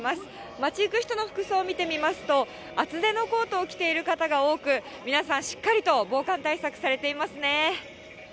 街行く人の服装を見てみますと、厚手のコートを着ている方が多く、皆さんしっかりと防寒対策されていますね。